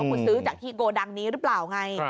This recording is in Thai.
คุณซื้อจากที่โกดังนี้หรือเปล่าไง